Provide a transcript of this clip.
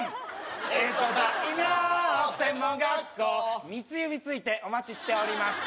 専門学校三つ指ついてお待ちしております